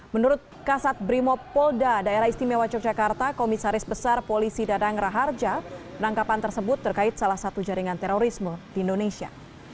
menurut kasat brimopolda daerah istimewa yogyakarta komisaris besar polisi dadang raharja penangkapan tersebut terkait salah satu jaringan terorisme di indonesia